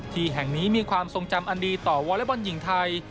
ที่แห่งนี้มีความทรงจำอันดีต่อวอเล็กบอลหญิงไทย